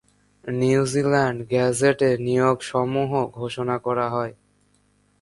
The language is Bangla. নিউজিল্যান্ড গেজেটে নিয়োগসমূহ ঘোষণা করা হয়।